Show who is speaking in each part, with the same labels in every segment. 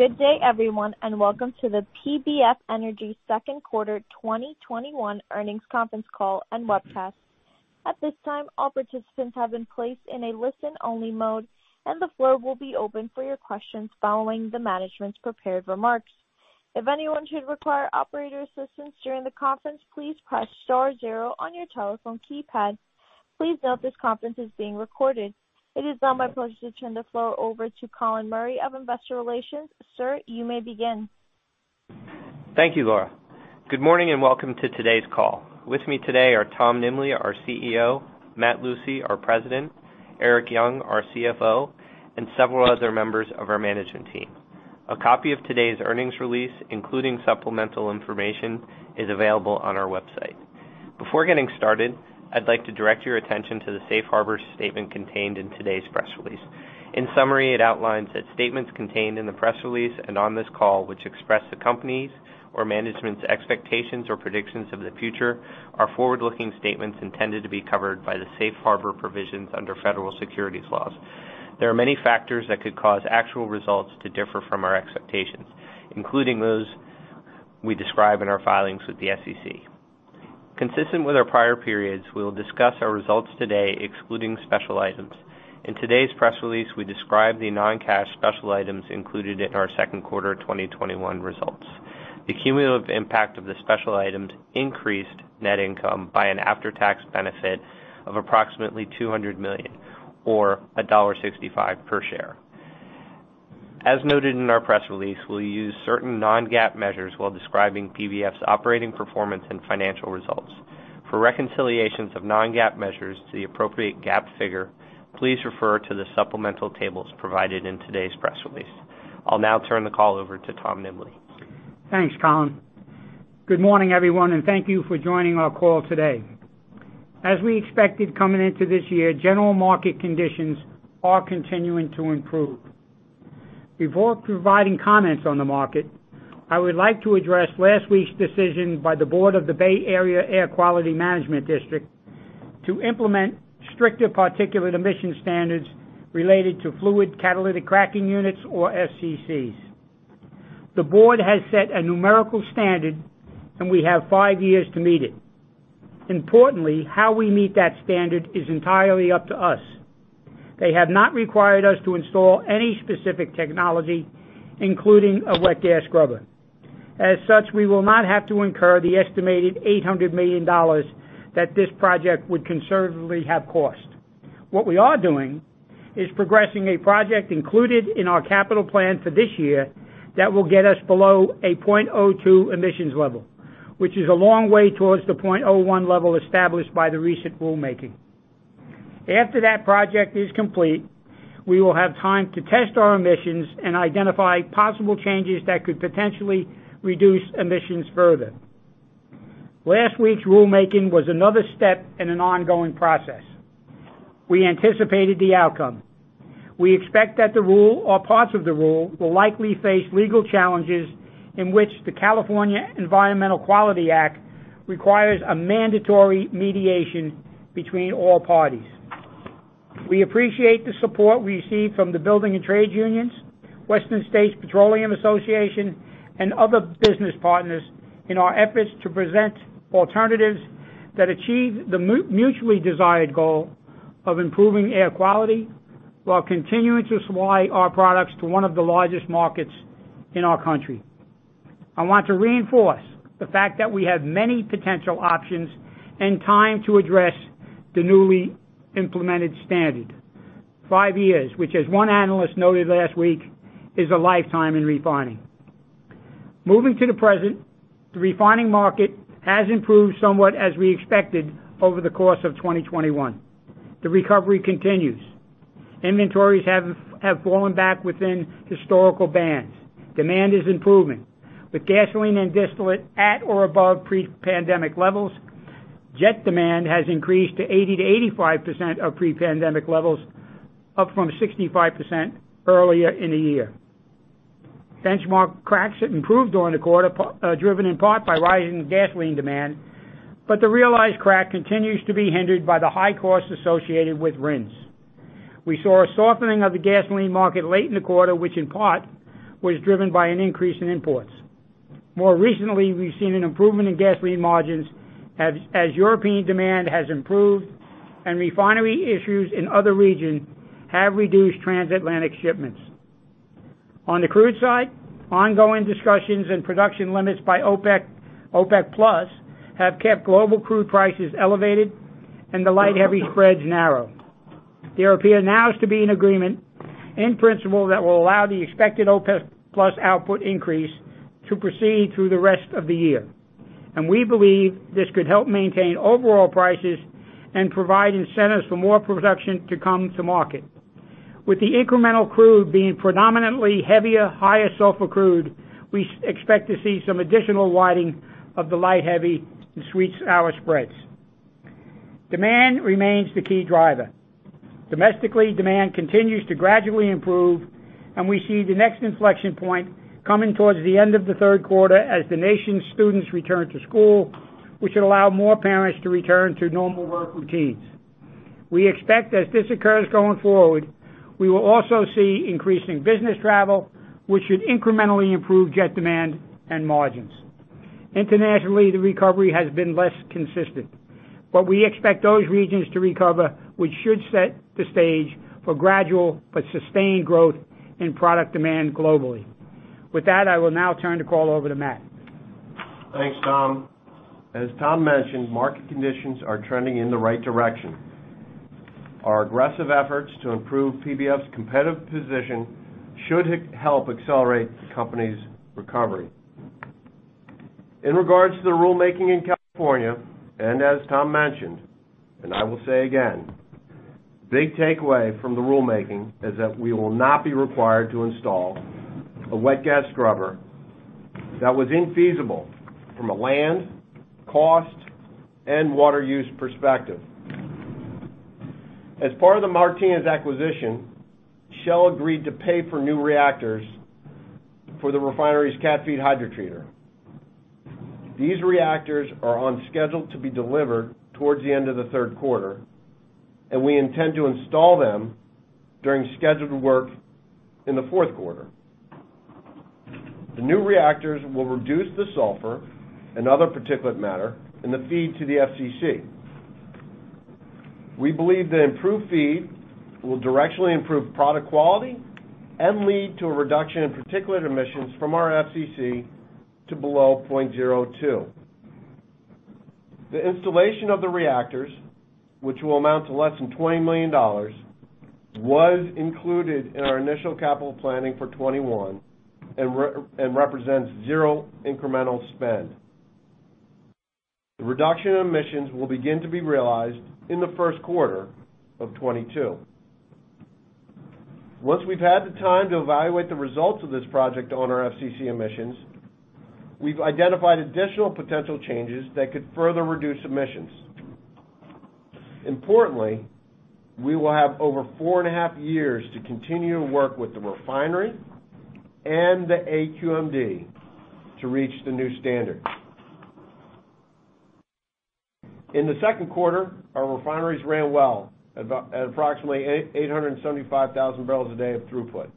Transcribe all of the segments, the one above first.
Speaker 1: Good day everyone, welcome to the PBF Energy second quarter 2021 earnings conference call and webcast. At this time, all participants have been placed in a listen-only mode, the floor will be open for your questions following the management's prepared remarks. If anyone should require operator assistance during the conference, please press star zero on your telephone keypad. Please note this conference is being recorded. It is now my pleasure to turn the floor over to Colin Murray of Investor Relations. Sir, you may begin.
Speaker 2: Thank you, Laura. Good morning and welcome to today's call. With me today are Tom Nimbley, our CEO, Matt Lucey, our President, Erik Young, our CFO, and several other members of our management team. A copy of today's earnings release, including supplemental information, is available on our website. Before getting started, I'd like to direct your attention to the safe harbor statement contained in today's press release. In summary, it outlines that statements contained in the press release and on this call, which express the company's or management's expectations or predictions of the future, are forward-looking statements intended to be covered by the safe harbor provisions under federal securities laws. There are many factors that could cause actual results to differ from our expectations, including those we describe in our filings with the SEC. Consistent with our prior periods, we will discuss our results today excluding special items. In today's press release, we describe the non-cash special items included in our second quarter 2021 results. The cumulative impact of the special items increased net income by an after-tax benefit of approximately $200 million or $1.65 per share. As noted in our press release, we'll use certain non-GAAP measures while describing PBF's operating performance and financial results. For reconciliations of non-GAAP measures to the appropriate GAAP figure, please refer to the supplemental tables provided in today's press release. I'll now turn the call over to Tom Nimbley.
Speaker 3: Thanks, Colin. Good morning, everyone, and thank you for joining our call today. As we expected coming into this year, general market conditions are continuing to improve. Before providing comments on the market, I would like to address last week's decision by the board of the Bay Area Air Quality Management District to implement stricter particulate emission standards related to fluid catalytic cracking units, or FCCs. The board has set a numerical standard, and we have five years to meet it. Importantly, how we meet that standard is entirely up to us. They have not required us to install any specific technology, including a wet gas scrubber. As such, we will not have to incur the estimated $800 million that this project would conservatively have cost. What we are doing is progressing a project included in our capital plan for this year that will get us below a 0.02 emissions level, which is a long way towards the 0.01 level established by the recent rulemaking. After that project is complete, we will have time to test our emissions and identify possible changes that could potentially reduce emissions further. Last week's rulemaking was another step in an ongoing process. We anticipated the outcome. We expect that the rule or parts of the rule will likely face legal challenges, in which the California Environmental Quality Act requires a mandatory mediation between all parties. We appreciate the support we received from the building and trade unions, Western States Petroleum Association, and other business partners in our efforts to present alternatives that achieve the mutually desired goal of improving air quality while continuing to supply our products to one of the largest markets in our country. I want to reinforce the fact that we have many potential options and time to address the newly implemented standard. Five years, which as one analyst noted last week, is a lifetime in refining. Moving to the present, the refining market has improved somewhat as we expected over the course of 2021. The recovery continues. Inventories have fallen back within historical bands. Demand is improving. With gasoline and distillate at or above pre-pandemic levels, jet demand has increased to 80%-85% of pre-pandemic levels, up from 65% earlier in the year. Benchmark cracks have improved during the quarter, driven in part by rising gasoline demand, but the realized crack continues to be hindered by the high costs associated with RINs. We saw a softening of the gasoline market late in the quarter, which in part was driven by an increase in imports. More recently, we've seen an improvement in gasoline margins as European demand has improved and refinery issues in other regions have reduced transatlantic shipments. On the crude side, ongoing discussions and production limits by OPEC+ have kept global crude prices elevated and the light-heavy spreads narrow. There appear now to be an agreement in principle that will allow the expected OPEC+ output increase to proceed through the rest of the year. We believe this could help maintain overall prices and provide incentives for more production to come to market. With the incremental crude being predominantly heavier, higher sulfur crude, we expect to see some additional widening of the light-heavy and sweet-sour spreads. Demand remains the key driver. Domestically, demand continues to gradually improve, and we see the next inflection point coming towards the end of the third quarter as the nation's students return to school, which will allow more parents to return to normal work routines. We expect as this occurs going forward, we will also see increasing business travel, which should incrementally improve jet demand and margins. Internationally, the recovery has been less consistent, but we expect those regions to recover, which should set the stage for gradual but sustained growth in product demand globally. With that, I will now turn the call over to Matt.
Speaker 4: Thanks, Tom. As Tom mentioned, market conditions are trending in the right direction. Our aggressive efforts to improve PBF's competitive position should help accelerate the company's recovery. In regards to the rulemaking in California, and as Tom mentioned, and I will say again, big takeaway from the rulemaking is that we will not be required to install a wet gas scrubber that was infeasible from a land, cost, and water use perspective. As part of the Martinez acquisition, Shell agreed to pay for new reactors for the refinery's cat feed hydrotreater. These reactors are on schedule to be delivered towards the end of the third quarter, and we intend to install them during scheduled work in the fourth quarter. The new reactors will reduce the sulfur and other particulate matter in the feed to the FCC. We believe the improved feed will directionally improve product quality and lead to a reduction in particulate emissions from our FCC to below 0.02. The installation of the reactors, which will amount to less than $20 million, was included in our initial capital planning for 2021 and represents zero incremental spend. The reduction in emissions will begin to be realized in the first quarter of 2022. Once we've had the time to evaluate the results of this project on our FCC emissions, we've identified additional potential changes that could further reduce emissions. Importantly, we will have over four and a half years to continue to work with the refinery and the AQMD to reach the new standard. In the second quarter, our refineries ran well at approximately 875,000 barrels a day of throughput.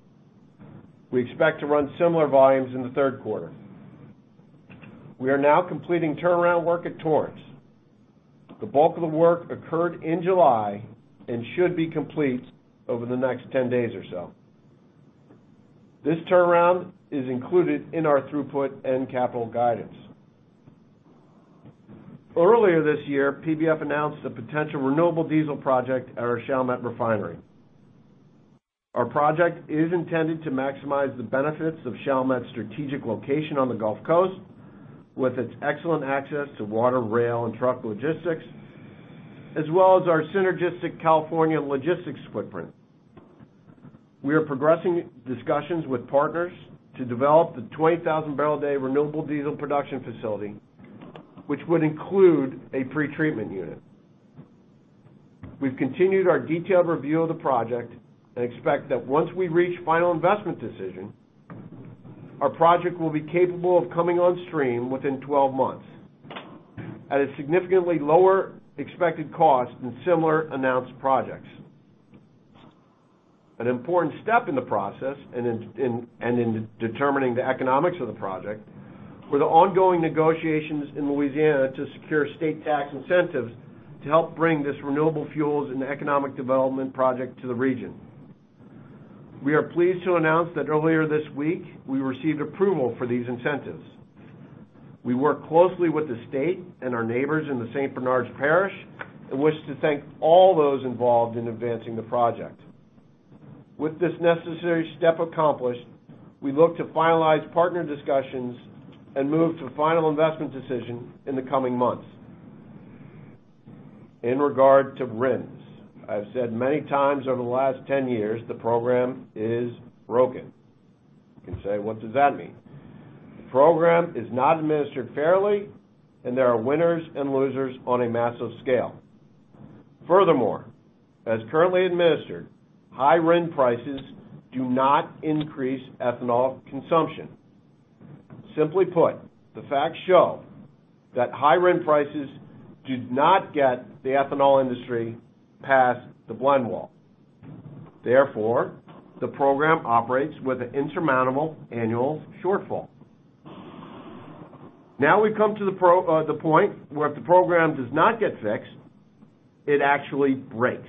Speaker 4: We expect to run similar volumes in the third quarter. We are now completing turnaround work at Torrance. The bulk of the work occurred in July and should be complete over the next 10 days or so. This turnaround is included in our throughput and capital guidance. Earlier this year, PBF announced a potential renewable diesel project at our Chalmette Refinery. Our project is intended to maximize the benefits of Chalmette's strategic location on the Gulf Coast, with its excellent access to water, rail, and truck logistics, as well as our synergistic California logistics footprint. We are progressing discussions with partners to develop the 20,000-barrel-a-day renewable diesel production facility, which would include a pretreatment unit. We've continued our detailed review of the project and expect that once we reach final investment decision, our project will be capable of coming on stream within 12 months at a significantly lower expected cost than similar announced projects. An important step in the process and in determining the economics of the project were the ongoing negotiations in Louisiana to secure state tax incentives to help bring this renewable fuels and economic development project to the region. We are pleased to announce that earlier this week, we received approval for these incentives. We work closely with the state and our neighbors in the St. Bernard Parish and wish to thank all those involved in advancing the project. With this necessary step accomplished, we look to finalize partner discussions and move to final investment decision in the coming months. In regard to RINs, I've said many times over the last 10 years the program is broken. You can say, what does that mean? The program is not administered fairly, and there are winners and losers on a massive scale. Furthermore, as currently administered, high RIN prices do not increase ethanol consumption. Simply put, the facts show that high RIN prices do not get the ethanol industry past the blend wall. Therefore, the program operates with an insurmountable annual shortfall. Now we've come to the point where if the program does not get fixed, it actually breaks.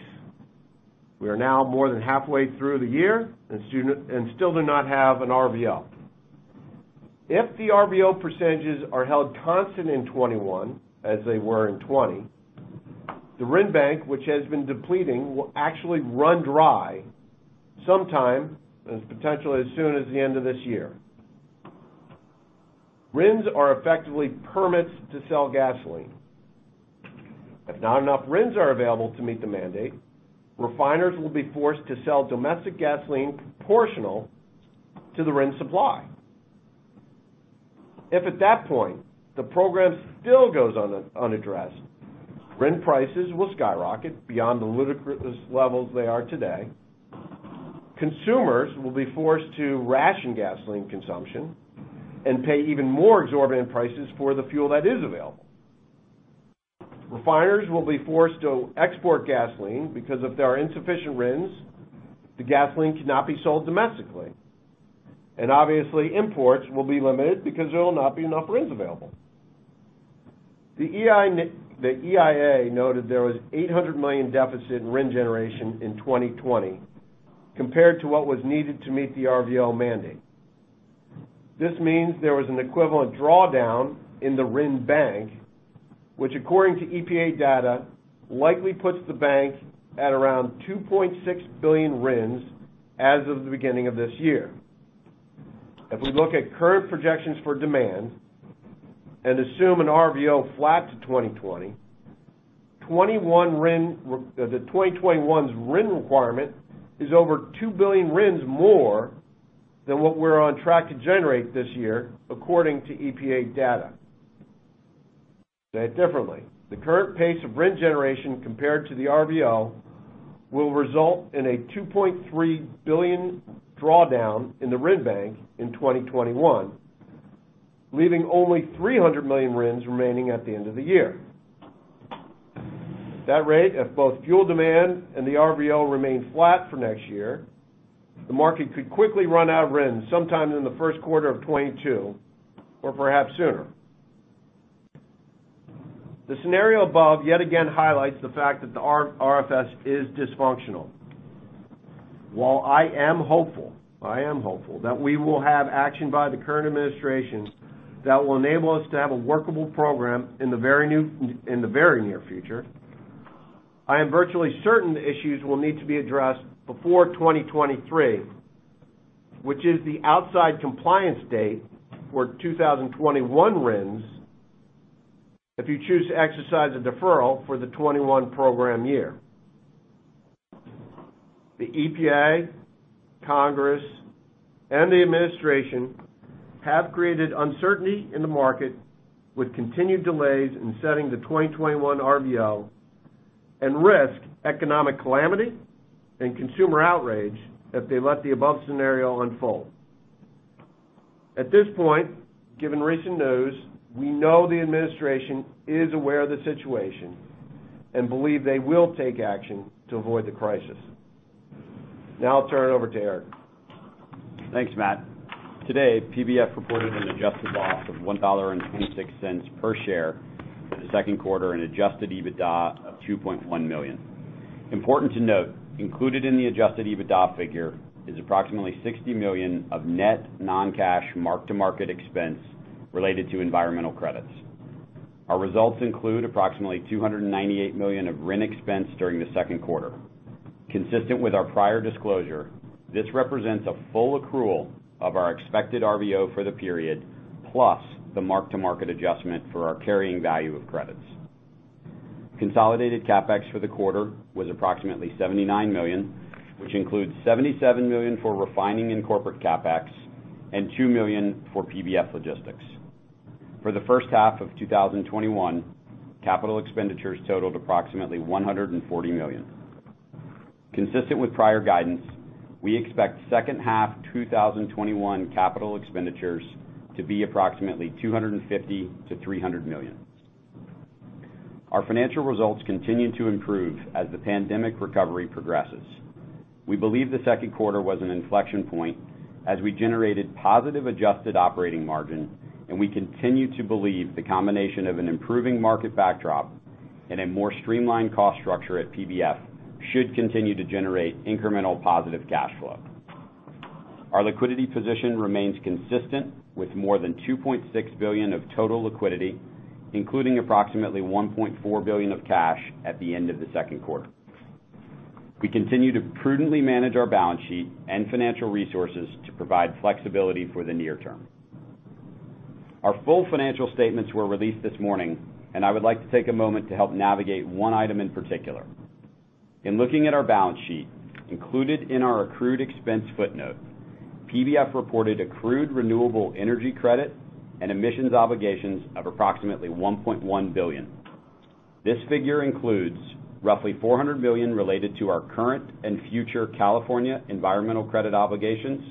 Speaker 4: We are now more than halfway through the year and still do not have an RVO. If the RVO percentages are held constant in 2021, as they were in 2020, the RIN bank, which has been depleting, will actually run dry sometime, and potentially as soon as the end of this year. RINs are effectively permits to sell gasoline. If not enough RINs are available to meet the mandate, refiners will be forced to sell domestic gasoline proportional to the RIN supply. If at that point, the program still goes unaddressed, RIN prices will skyrocket beyond the ludicrous levels they are today. Consumers will be forced to ration gasoline consumption and pay even more exorbitant prices for the fuel that is available. Refiners will be forced to export gasoline, because if there are insufficient RINs, the gasoline cannot be sold domestically. Obviously, imports will be limited because there will not be enough RINs available. The EIA noted there was $800 million deficit in RIN generation in 2020 compared to what was needed to meet the RVO mandate. This means there was an equivalent drawdown in the RIN bank, which, according to EPA data, likely puts the bank at around $2.6 billion RINs as of the beginning of this year. If we look at current projections for demand and assume an RVO flat to 2020, the 2021's RIN requirement is over $2 billion RINs more than what we're on track to generate this year, according to EPA data. Say it differently. The current pace of RIN generation compared to the RVO will result in a $2.3 billion drawdown in the RIN bank in 2021, leaving only $300 million RINs remaining at the end of the year. At that rate, if both fuel demand and the RVO remain flat for next year, the market could quickly run out of RINs sometime in the first quarter of 2022, or perhaps sooner. The scenario above yet again highlights the fact that the RFS is dysfunctional. While I am hopeful that we will have action by the current administration that will enable us to have a workable program in the very near future, I am virtually certain the issues will need to be addressed before 2023, which is the outside compliance date for 2021 RINs if you choose to exercise a deferral for the 2021 program year. The EPA, Congress, and the administration have created uncertainty in the market with continued delays in setting the 2021 RVO and risk economic calamity and consumer outrage if they let the above scenario unfold. At this point, given recent news, we know the administration is aware of the situation and believe they will take action to avoid the crisis. Now I'll turn it over to Erik.
Speaker 5: Thanks, Matt. Today, PBF reported an adjusted loss of $1.26 per share for the second quarter and adjusted EBITDA of $2.1 million. Important to note, included in the adjusted EBITDA figure is approximately $60 million of net non-cash mark-to-market expense related to environmental credits. Our results include approximately $298 million of RINs expense during the second quarter. Consistent with our prior disclosure, this represents a full accrual of our expected RVO for the period, plus the mark-to-market adjustment for our carrying value of credits. Consolidated CapEx for the quarter was approximately $79 million, which includes $77 million for refining and corporate CapEx and $2 million for PBF Logistics. For the first half of 2021, capital expenditures totaled approximately $140 million. Consistent with prior guidance, we expect second half 2021 capital expenditures to be approximately $250 million-$300 million. Our financial results continue to improve as the pandemic recovery progresses. We believe the second quarter was an inflection point as we generated positive adjusted operating margin. We continue to believe the combination of an improving market backdrop and a more streamlined cost structure at PBF should continue to generate incremental positive cash flow. Our liquidity position remains consistent with more than $2.6 billion of total liquidity, including approximately $1.4 billion of cash at the end of the second quarter. We continue to prudently manage our balance sheet and financial resources to provide flexibility for the near term. Our full financial statements were released this morning. I would like to take a moment to help navigate one item in particular. In looking at our balance sheet, included in our accrued expense footnote, PBF reported accrued renewable energy credit and emissions obligations of approximately $1.1 billion. This figure includes roughly $400 billion related to our current and future California environmental credit obligations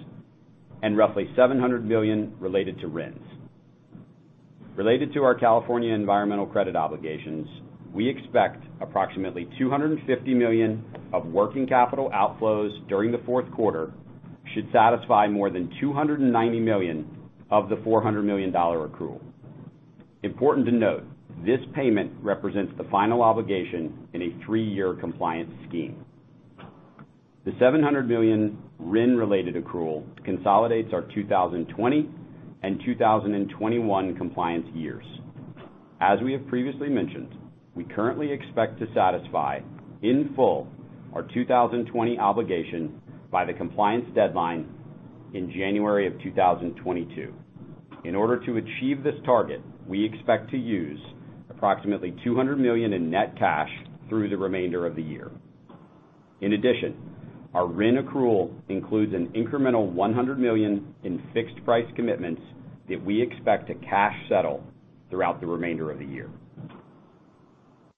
Speaker 5: and roughly $700 billion related to RINs. Related to our California environmental credit obligations, we expect approximately $250 million of working capital outflows during the fourth quarter should satisfy more than $290 million of the $400 million accrual. Important to note, this payment represents the final obligation in a three-year compliance scheme. The $700 million RIN-related accrual consolidates our 2020 and 2021 compliance years. As we have previously mentioned, we currently expect to satisfy in full our 2020 obligation by the compliance deadline in January of 2022. In order to achieve this target, we expect to use approximately $200 million in net cash through the remainder of the year. In addition, our RIN accrual includes an incremental $100 million in fixed price commitments that we expect to cash settle throughout the remainder of the year.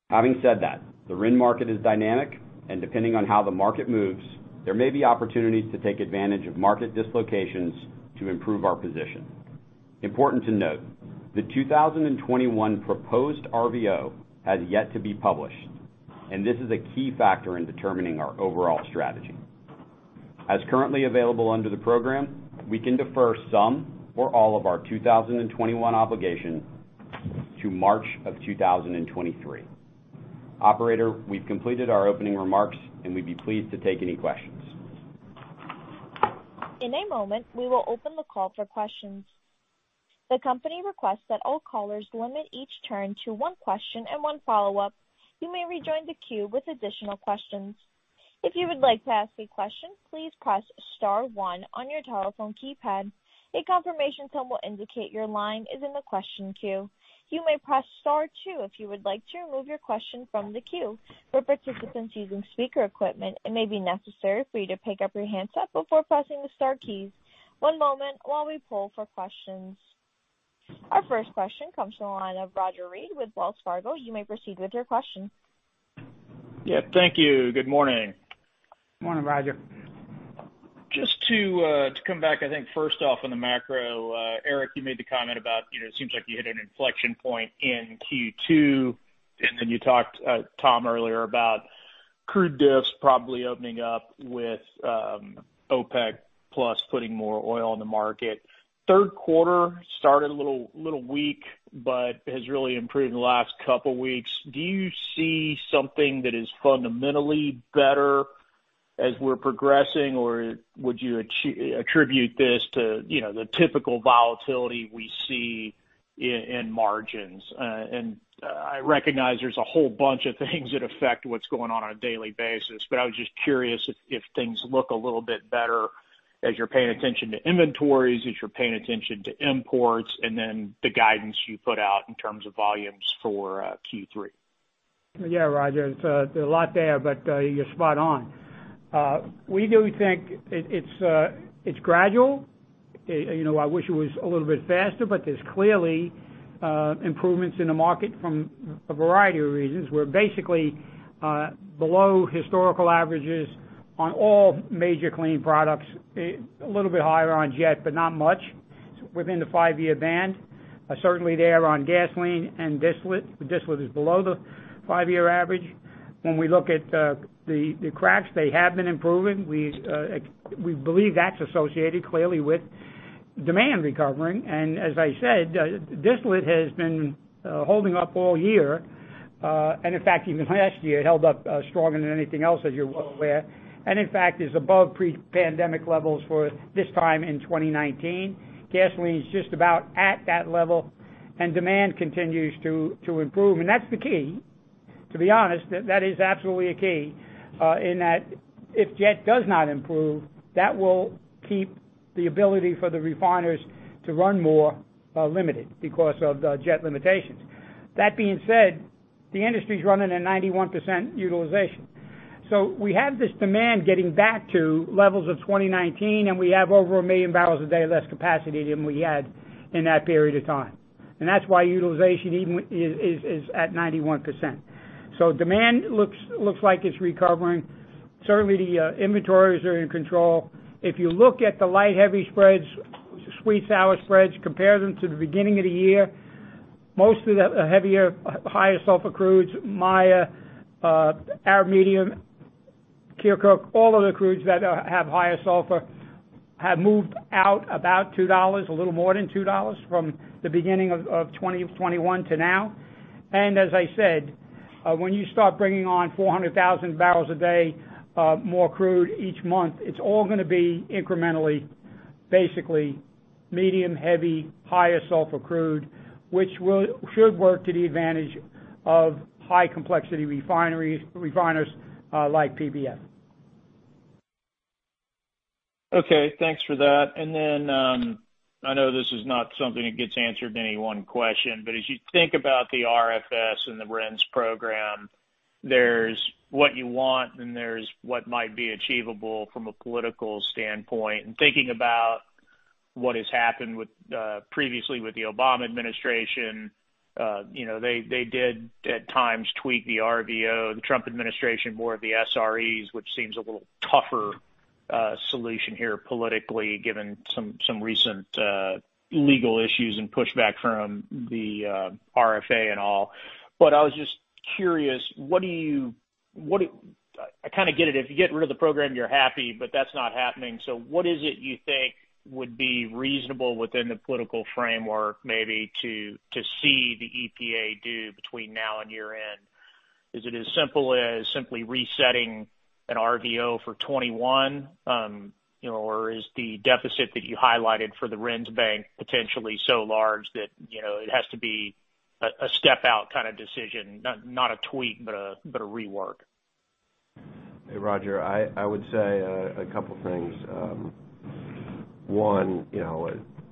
Speaker 5: Having said that, the RIN market is dynamic, and depending on how the market moves, there may be opportunities to take advantage of market dislocations to improve our position. Important to note, the 2021 proposed RVO has yet to be published. This is a key factor in determining our overall strategy. As currently available under the program, we can defer some or all of our 2021 obligation to March of 2023. Operator, we've completed our opening remarks. We'd be pleased to take any questions.
Speaker 1: Our first question comes from the line of Roger Read with Wells Fargo. You may proceed with your question.
Speaker 6: Yeah, thank you. Good morning.
Speaker 3: Morning, Roger.
Speaker 6: Just to come back, I think first off on the macro, Erik, you made the comment about it seems like you hit an inflection point in Q2, and then you talked, Tom, earlier about crude diffs probably opening up with OPEC+ putting more oil on the market. Third quarter started a little weak but has really improved in the last couple of weeks. Do you see something that is fundamentally better as we're progressing? Would you attribute this to the typical volatility we see in margins? I recognize there's a whole bunch of things that affect what's going on on a daily basis, but I was just curious if things look a little bit better as you're paying attention to inventories, as you're paying attention to imports, and then the guidance you put out in terms of volumes for Q3.
Speaker 3: Yeah, Roger. There's a lot there, but you're spot on. I wish it was a little bit faster, but there's clearly improvements in the market from a variety of reasons. We're basically below historical averages on all major clean products. A little bit higher on jet, but not much. Within the -year band. Certainly there on gasoline and distillate. Distillate is below the five-year average. When we look at the cracks, they have been improving. We believe that's associated clearly with demand recovering. As I said, distillate has been holding up all year. In fact, even last year, it held up stronger than anything else, as you're well aware. In fact, is above pre-pandemic levels for this time in 2019. Gasoline is just about at that level and demand continues to improve. That's the key. To be honest, that is absolutely a key, in that if jet does not improve, that will keep the ability for the refiners to run more limited because of the jet limitations. That being said, the industry is running at 91% utilization. We have this demand getting back to levels of 2019, and we have over 1 million barrels a day less capacity than we had in that period of time. That's why utilization even is at 91%. Demand looks like it's recovering. Certainly, the inventories are in control. If you look at the light heavy spreads, sweet sour spreads, compare them to the beginning of the year, most of the heavier, higher sulfur crudes, Maya, Arab Medium, Kirkuk, all of the crudes that have higher sulfur have moved out about $2, a little more than $2 from the beginning of 2021 to now. As I said, when you start bringing on 400,000 barrels a day more crude each month, it's all going to be incrementally, basically medium heavy, higher sulfur crude, which should work to the advantage of high complexity refiners like PBF.
Speaker 6: Okay. Thanks for that. I know this is not something that gets answered in any one question, but as you think about the RFS and the RINs program, there's what you want and there's what might be achievable from a political standpoint. Thinking about what has happened previously with the Obama administration. They did at times tweak the RVO. The Trump administration, more of the SREs, which seems a little tougher solution here politically, given some recent legal issues and pushback from the RFA and all. I was just curious, I kind of get it. If you get rid of the program, you're happy, but that's not happening. What is it you think would be reasonable within the political framework maybe to see the EPA do between now and year-end? Is it as simple as simply resetting an RVO for 2021? Is the deficit that you highlighted for the RINs bank potentially so large that it has to be a step-out kind of decision? Not a tweak, but a rework.
Speaker 4: Hey, Roger. I would say a couple things. One,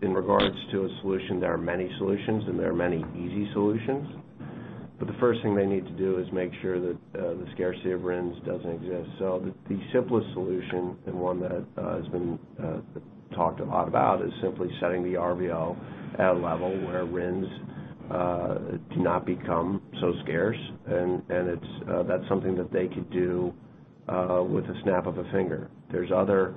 Speaker 4: in regards to a solution, there are many solutions and there are many easy solutions. The first thing they need to do is make sure that the scarcity of RINs doesn't exist. The simplest solution, and one that has been talked a lot about, is simply setting the RVO at a level where RINs do not become so scarce. That's something that they could do with a snap of a finger. There's other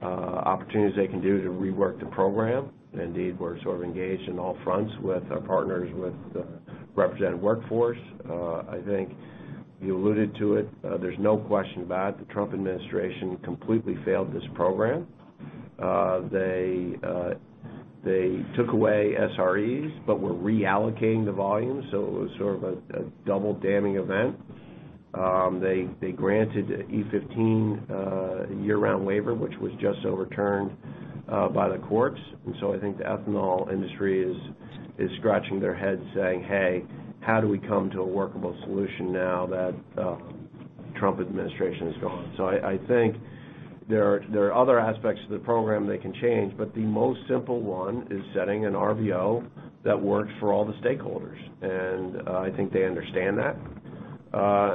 Speaker 4: opportunities they can do to rework the program. Indeed, we're sort of engaged on all fronts with our partners with the represented workforce. I think you alluded to it, there's no question about it, the Trump administration completely failed this program. They took away SREs, but we're reallocating the volume, so it was sort of a double damning event. They granted E15 year-round waiver, which was just overturned by the courts. I think the ethanol industry is scratching their heads saying, "Hey, how do we come to a workable solution now that Trump administration is gone?" I think there are other aspects to the program they can change, but the most simple one is setting an RVO that works for all the stakeholders. I think they understand that.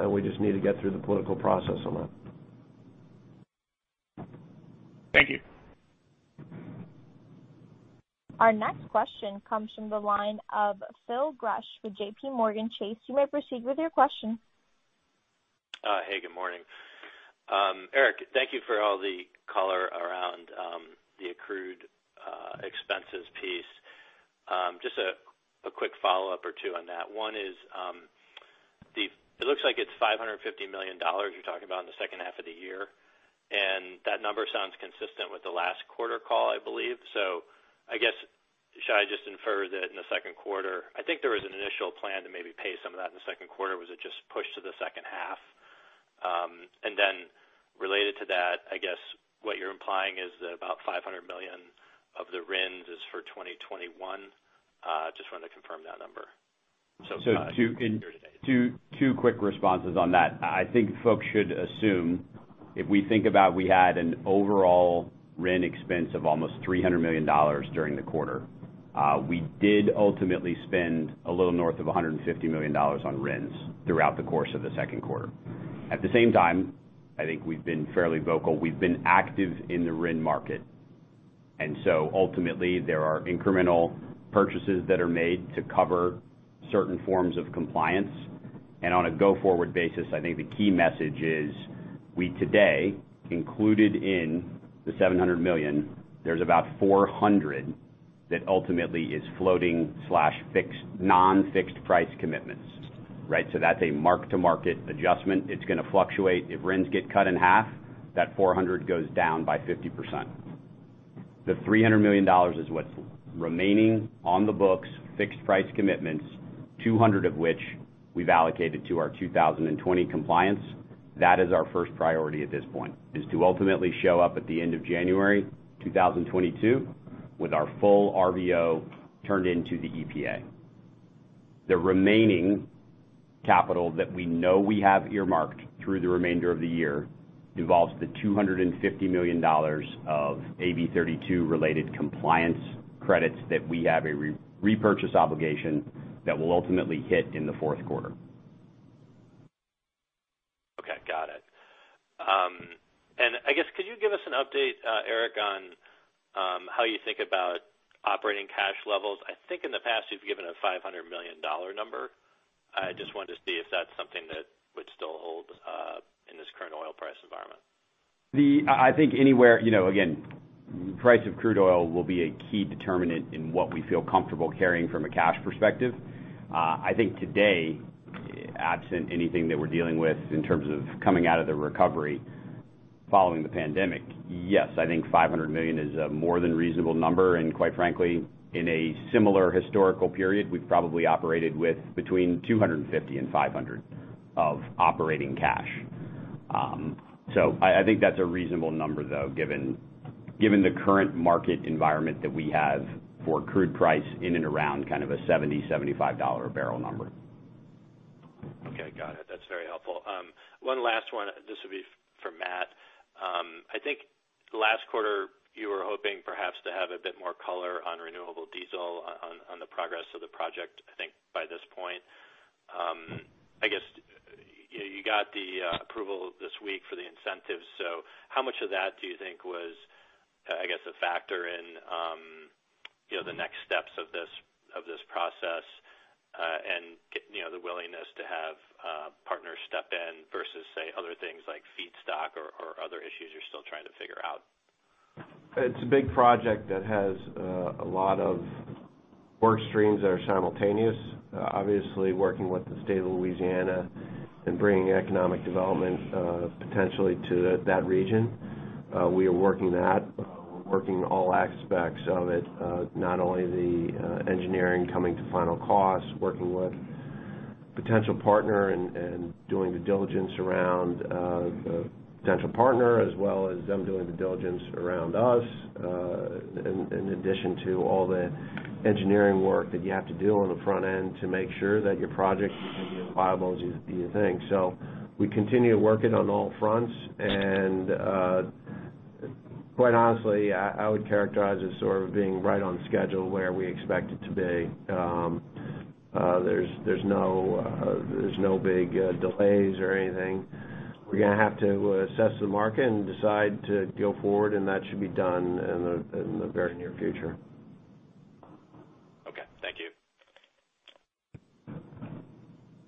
Speaker 4: We just need to get through the political process on that.
Speaker 6: Thank you.
Speaker 1: Our next question comes from the line of Phil Gresh with JPMorgan Chase. You may proceed with your question.
Speaker 7: Hey, good morning. Erik, thank you for all the color around the accrued expenses piece. Just a quick follow-up or two on that. One is, it looks like it's $550 million you're talking about in the second half of the year, and that number sounds consistent with the last quarter call, I believe. I guess, should I just infer that in the second quarter, I think there was an initial plan to maybe pay some of that in the second quarter? Was it just pushed to the second half? Related to that, I guess what you're implying is that about $500 million of the RINs is for 2021. Just wanted to confirm that number.
Speaker 5: Two quick responses on that. I think folks should assume, if we think about we had an overall RIN expense of almost $300 million during the quarter. We did ultimately spend a little north of $150 million on RINs throughout the course of the second quarter. At the same time, I think we've been fairly vocal. We've been active in the RIN market. Ultimately, there are incremental purchases that are made to cover certain forms of compliance. On a go-forward basis, I think the key message is, we today, included in the $700 million, there's about $400 million that ultimately is floating/non-fixed price commitments. Right? That's a mark-to-market adjustment. It's going to fluctuate. If RINs get cut in half, that $400 million goes down by 50%. The $300 million is what's remaining on the books, fixed price commitments, $200 million of which we've allocated to our 2020 compliance. That is our first priority at this point, is to ultimately show up at the end of January 2022 with our full RVO turned into the EPA. The remaining capital that we know we have earmarked through the remainder of the year involves the $250 million of AB 32 related compliance credits that we have a repurchase obligation that will ultimately hit in the fourth quarter.
Speaker 7: Okay, got it. I guess could you give us an update, Erik, on how you think about operating cash levels? I think in the past, you've given a $500 million number. I just wanted to see if that's something that would still hold in this current oil price environment.
Speaker 5: I think anywhere, again, price of crude oil will be a key determinant in what we feel comfortable carrying from a cash perspective. I think today, absent anything that we're dealing with in terms of coming out of the recovery following the pandemic, yes, I think $500 million is a more than reasonable number, and quite frankly, in a similar historical period, we've probably operated with between $250 million and $500 million of operating cash. I think that's a reasonable number, though, given the current market environment that we have for crude price in and around kind of a $70, $75 a barrel number.
Speaker 7: Okay, got it. That's very helpful. One last one. This would be for Matt. I think last quarter you were hoping perhaps to have a bit more color on renewable diesel on the progress of the project, I think by this point. You got the approval this week for the incentives, how much of that do you think was a factor in the next steps of this process, and the willingness to have partners step in versus, say, other things like feedstock or other issues you're still trying to figure out?
Speaker 4: It's a big project that has a lot of work streams that are simultaneous. Obviously, working with the state of Louisiana and bringing economic development potentially to that region. We are working that. We're working all aspects of it. Not only the engineering coming to final costs, working with potential partner and doing the diligence around a potential partner, as well as them doing the diligence around us, in addition to all the engineering work that you have to do on the front end to make sure that your project is going to be as viable as you think. We continue working on all fronts, and quite honestly, I would characterize it as sort of being right on schedule where we expect it to be. There's no big delays or anything We're going to have to assess the market and decide to go forward. That should be done in the very near future.
Speaker 7: Okay. Thank you.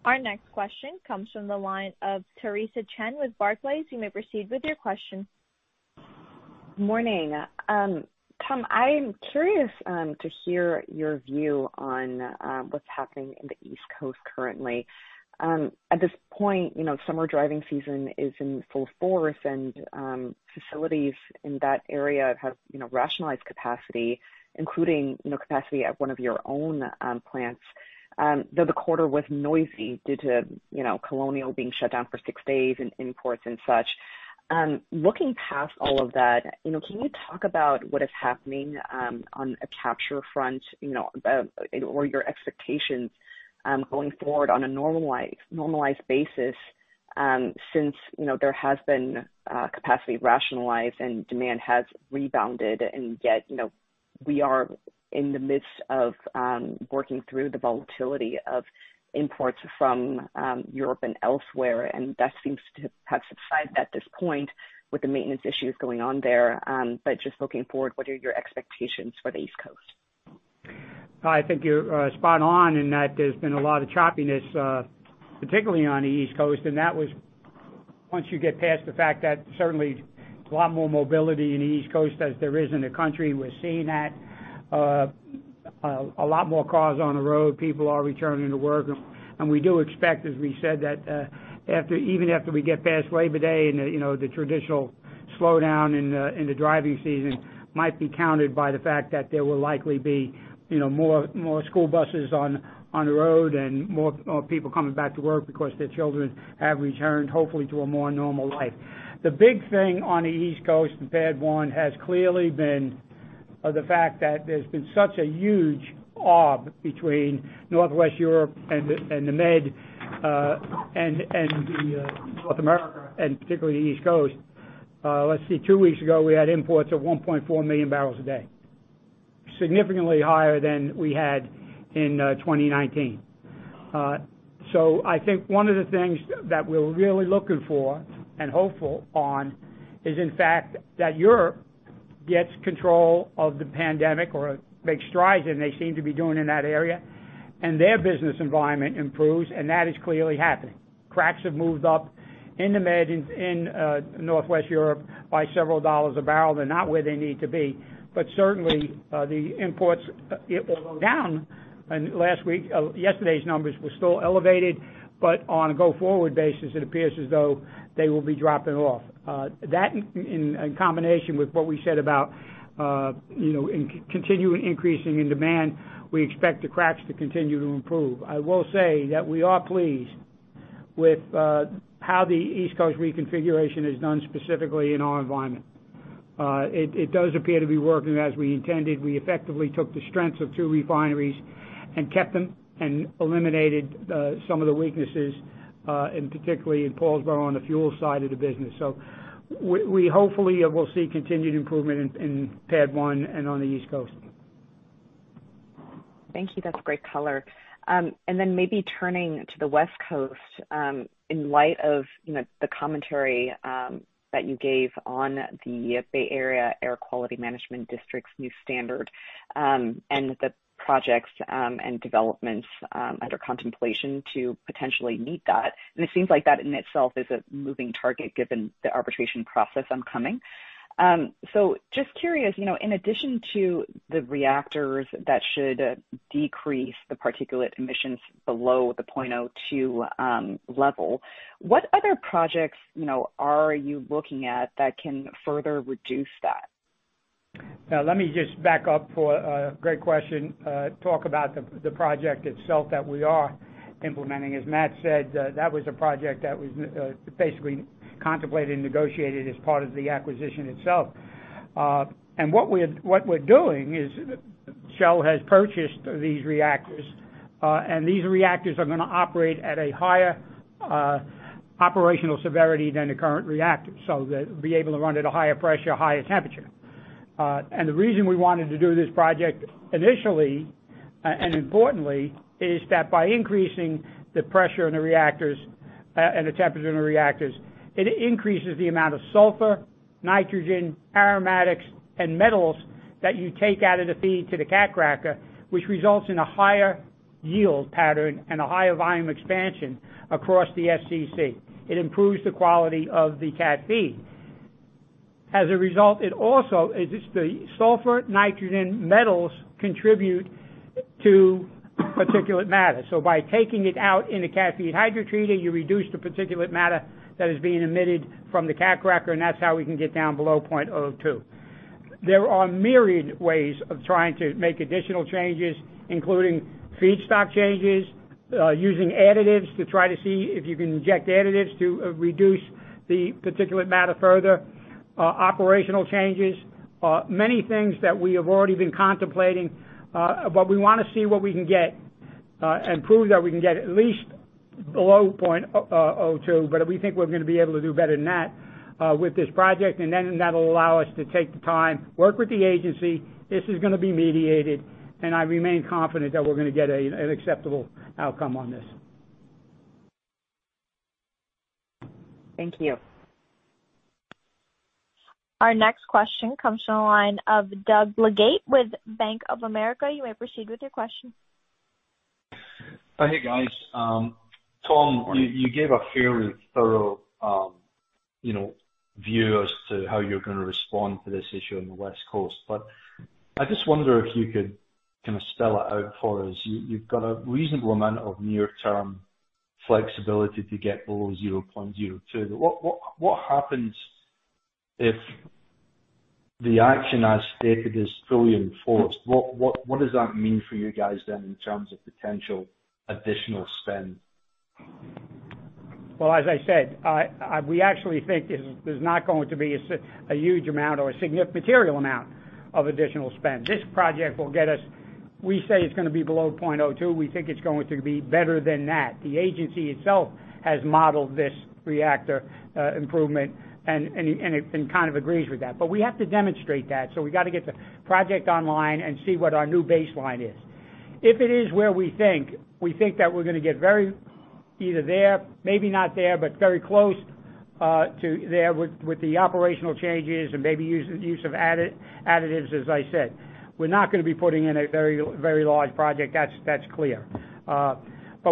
Speaker 1: Our next question comes from the line of Theresa Chen with Barclays. You may proceed with your question.
Speaker 8: Morning. Tom, I'm curious to hear your view on what's happening in the East Coast currently. At this point, summer driving season is in full force and facilities in that area have rationalized capacity, including capacity at one of your own plants. Though the quarter was noisy due to Colonial being shut down for six days and imports and such. Looking past all of that, can you talk about what is happening on a capture front, or your expectations going forward on a normalized basis since there has been capacity rationalized and demand has rebounded, and yet we are in the midst of working through the volatility of imports from Europe and elsewhere, and that seems to have subsided at this point with the maintenance issues going on there. Just looking forward, what are your expectations for the East Coast?
Speaker 3: I think you're spot on in that there's been a lot of choppiness, particularly on the East Coast. That was once you get past the fact that certainly there's a lot more mobility in the East Coast as there is in the country. We're seeing that. A lot more cars on the road, people are returning to work, and we do expect, as we said, that even after we get past Labor Day and the traditional slowdown in the driving season might be countered by the fact that there will likely be more school buses on the road and more people coming back to work because their children have returned, hopefully to a more normal life. The big thing on the East Coast, the bad one, has clearly been the fact that there's been such a huge arb between Northwest Europe and the Med, and North America, and particularly the East Coast. Let's see, two weeks ago, we had imports of 1.4 million barrels a day, significantly higher than we had in 2019. I think one of the things that we're really looking for and hopeful on is in fact that Europe gets control of the pandemic or makes strides in, they seem to be doing in that area, and their business environment improves, and that is clearly happening. Cracks have moved up in the Med and in Northwest Europe by several dollars a barrel. They're not where they need to be, but certainly the imports, it was down last week. Yesterday's numbers were still elevated, but on a go-forward basis, it appears as though they will be dropping off. That in combination with what we said about continuing increasing in demand, we expect the cracks to continue to improve. I will say that we are pleased with how the East Coast reconfiguration is done specifically in our environment. It does appear to be working as we intended. We effectively took the strengths of two refineries and kept them and eliminated some of the weaknesses, and particularly in Paulsboro on the fuel side of the business. We hopefully will see continued improvement in PADD 1 and on the East Coast.
Speaker 8: Thank you. That's great color. Maybe turning to the West Coast, in light of the commentary that you gave on the Bay Area Air Quality Management District's new standard, and the projects and developments under contemplation to potentially meet that. It seems like that in itself is a moving target given the arbitration process upcoming. Just curious, in addition to the reactors that should decrease the particulate emissions below the 0.02 level, what other projects are you looking at that can further reduce that?
Speaker 3: Now let me just back up, great question, talk about the project itself that we are implementing. As Matt said, that was a project that was basically contemplated and negotiated as part of the acquisition itself. What we're doing is Shell has purchased these reactors, and these reactors are going to operate at a higher operational severity than the current reactors. They'll be able to run at a higher pressure, higher temperature. The reason we wanted to do this project initially, and importantly, is that by increasing the pressure in the reactors and the temperature in the reactors, it increases the amount of sulfur, nitrogen, aromatics, and metals that you take out of the feed to the cat cracker, which results in a higher yield pattern and a higher volume expansion across the FCC. It improves the quality of the cat feed. The sulfur, nitrogen, metals contribute to particulate matter. By taking it out in the cat feed hydrotreater, you reduce the particulate matter that is being emitted from the cat cracker, and that's how we can get down below 0.02. There are myriad ways of trying to make additional changes, including feedstock changes, using additives to try to see if you can inject additives to reduce the particulate matter further. Operational changes. Many things that we have already been contemplating, but we want to see what we can get and prove that we can get at least below 0.02. We think we're going to be able to do better than that. With this project, that'll allow us to take the time to work with the agency. This is going to be mediated, and I remain confident that we're going to get an acceptable outcome on this.
Speaker 8: Thank you.
Speaker 1: Our next question comes from the line of Doug Leggate with Bank of America. You may proceed with your question.
Speaker 9: Hey, guys. Tom, you gave a fairly thorough view as to how you're going to respond to this issue on the West Coast. I just wonder if you could kind of spell it out for us. You've got a reasonable amount of near-term flexibility to get below 0.02. What happens if the action as stated is fully enforced? What does that mean for you guys then in terms of potential additional spend?
Speaker 3: Well, as I said, we actually think there's not going to be a huge amount or a material amount of additional spend. We say it's going to be below 0.02. We think it's going to be better than that. The agency itself has modeled this reactor improvement and kind of agrees with that. We have to demonstrate that. We got to get the project online and see what our new baseline is. If it is where we think, we think that we're going to get very either there, maybe not there, but very close to there with the operational changes and maybe use of additives, as I said. We're not going to be putting in a very large project. That's clear.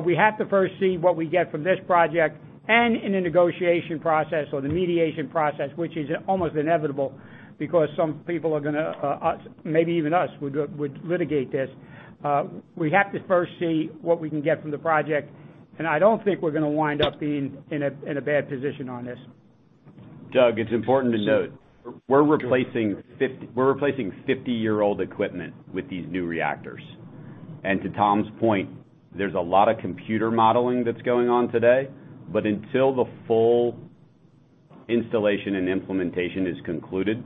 Speaker 3: We have to first see what we get from this project and in the negotiation process or the mediation process, which is almost inevitable because some people are going to, maybe even us, would litigate this. We have to first see what we can get from the project, and I don't think we're going to wind up being in a bad position on this.
Speaker 4: Doug, it's important to note, we're replacing 50-year-old equipment with these new reactors. To Tom's point, there's a lot of computer modeling that's going on today. Until the full installation and implementation is concluded,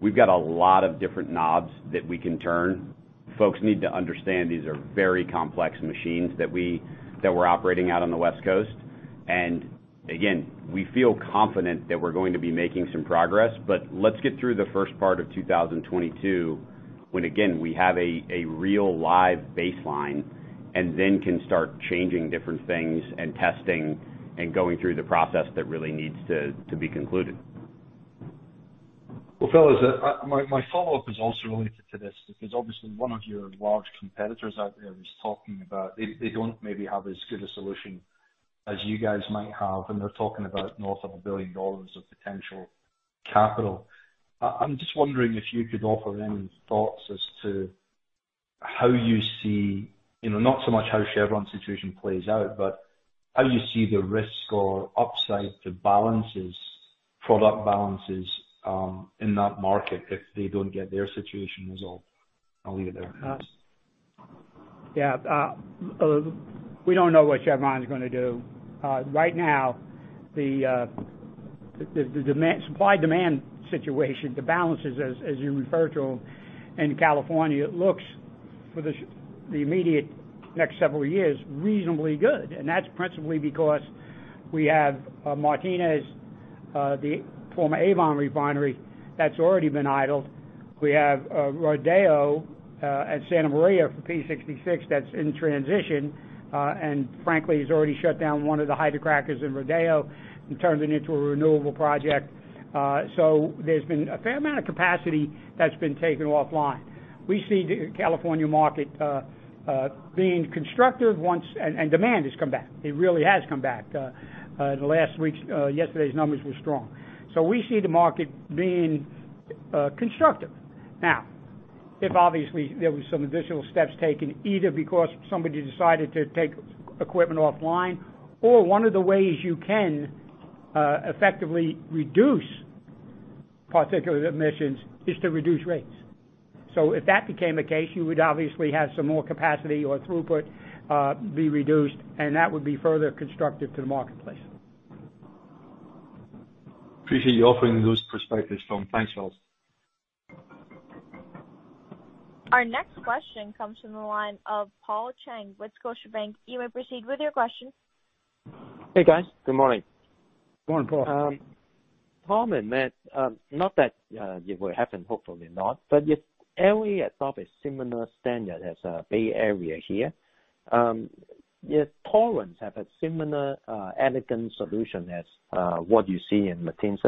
Speaker 4: we've got a lot of different knobs that we can turn. Folks need to understand these are very complex machines that we're operating out on the West Coast. Again, we feel confident that we're going to be making some progress. Let's get through the first part of 2022 when, again, we have a real live baseline and then can start changing different things and testing and going through the process that really needs to be concluded.
Speaker 9: Well, fellas, my follow-up is also related to this because obviously one of your large competitors out there was talking about they don't maybe have as good a solution as you guys might have, and they're talking about north of $1 billion of potential capital. I'm just wondering if you could offer any thoughts as to how you see, not so much how Chevron's situation plays out, but how you see the risk or upside to balances, product balances, in that market if they don't get their situation resolved. I'll leave it there.
Speaker 3: Yeah. We don't know what Chevron's going to do. Right now, the supply-demand situation, the balances as you refer to them in California, looks for the immediate next several years reasonably good. That's principally because we have Martinez, the former Avon refinery that's already been idled. We have Rodeo at Santa Maria for Phillips 66 that's in transition. Frankly, has already shut down one of the hydrocrackers in Rodeo and turned it into a renewable project. There's been a fair amount of capacity that's been taken offline. We see the California market being constructive once demand has come back. It really has come back. In the last weeks, yesterday's numbers were strong. We see the market being constructive. If obviously there were some additional steps taken, either because somebody decided to take equipment offline or one of the ways you can effectively reduce particular emissions is to reduce rates. If that became the case, you would obviously have some more capacity or throughput be reduced, and that would be further constructive to the marketplace.
Speaker 9: Appreciate you offering those perspectives, Tom. Thanks a lot.
Speaker 1: Our next question comes from the line of Paul Cheng with Scotiabank. You may proceed with your question.
Speaker 10: Hey, guys. Good morning.
Speaker 3: Good morning, Paul.
Speaker 10: Tom and Matt, not that it will happen, hopefully not, but if L.A. adopts a similar standard as Bay Area here, if Torrance have a similar elegant solution as what you see in Martinez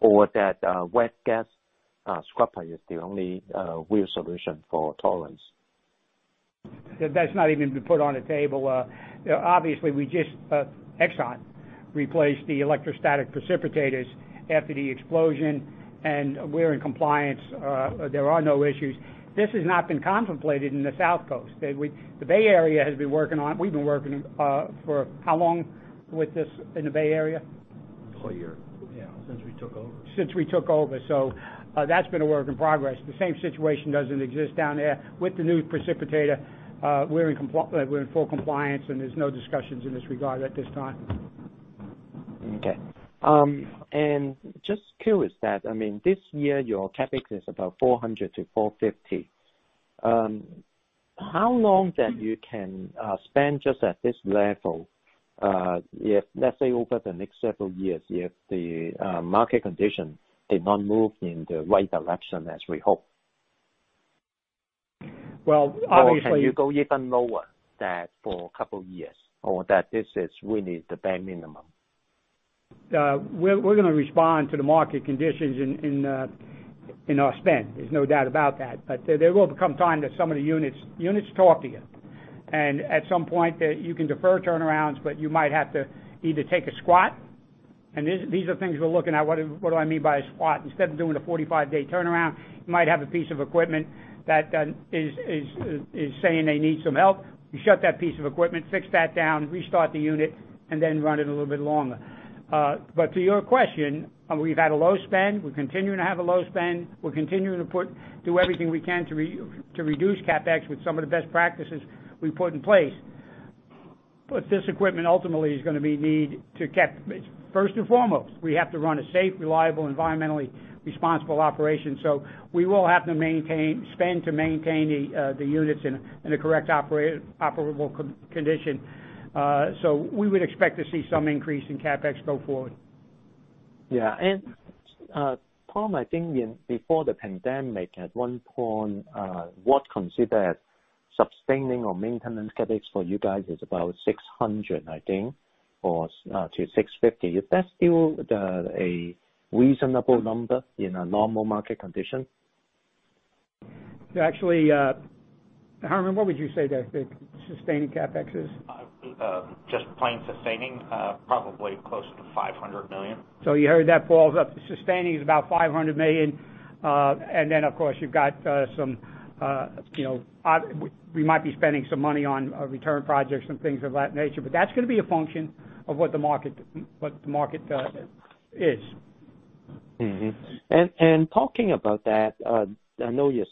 Speaker 10: or that wet gas scrubber is the only real solution for Torrance.
Speaker 3: That's not even been put on the table. Obviously we just, Exxon replaced the electrostatic precipitators after the explosion. We're in compliance. There are no issues. This has not been contemplated in the South Coast. We've been working for how long with this in the Bay Area?
Speaker 4: A whole year.
Speaker 5: Yeah.
Speaker 4: Since we took over.
Speaker 3: Since we took over, that's been a work in progress. The same situation doesn't exist down there. With the new precipitator, we're in full compliance, and there's no discussions in this regard at this time.
Speaker 10: Okay. Just curious that, I mean, this year your CapEx is about $400-$450. How long can you spend just at this level, let's say over the next several years, if the market condition did not move in the right direction as we hope?
Speaker 3: Well, obviously-
Speaker 10: Can you go even lower than for a couple of years, or that this is really the bare minimum?
Speaker 3: We're going to respond to the market conditions in our spend. There's no doubt about that. There will come time that some of the units talk to you, and at some point, you can defer turnarounds, but you might have to either take a squat, and these are things we're looking at. What do I mean by a squat? Instead of doing a 45-day turnaround, you might have a piece of equipment that is saying they need some help. You shut that piece of equipment, fix that down, restart the unit, and then run it a little bit longer. To your question, we've had a low spend, we're continuing to have a low spend. We're continuing to do everything we can to reduce CapEx with some of the best practices we've put in place. This equipment ultimately is going to be need to kept. First and foremost, we have to run a safe, reliable, environmentally responsible operation. We will have to spend to maintain the units in a correct operable condition. We would expect to see some increase in CapEx go forward.
Speaker 10: Yeah. Tom, I think before the pandemic, at one point, what considered sustaining or maintenance CapEx for you guys is about $600, I think, or to $650. Is that still a reasonable number in a normal market condition?
Speaker 3: Actually, Herman, what would you say the sustaining CapEx is?
Speaker 11: Just plain sustaining, probably close to $500 million.
Speaker 3: You heard that sustaining is about $500 million. Then, of course, we might be spending some money on return projects and things of that nature. That's going to be a function of what the market is.
Speaker 10: Talking about that, I know you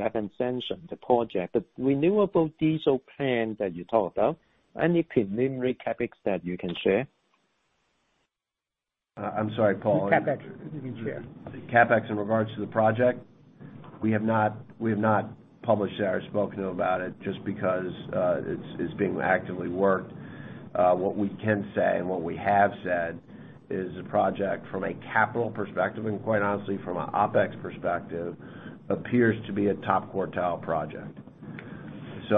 Speaker 10: haven't sanctioned the project, the renewable diesel plant that you talked about, any preliminary CapEx that you can share?
Speaker 4: I'm sorry, Paul.
Speaker 3: The CapEx that you can share.
Speaker 4: CapEx in regards to the project? We have not published it or spoken about it just because it's being actively worked. What we can say and what we have said is the project from a capital perspective, and quite honestly from a OpEx perspective, appears to be a top quartile project.